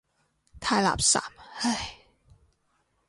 太垃圾，唉。